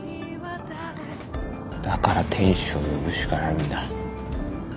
だから天使を呼ぶしかないんだ。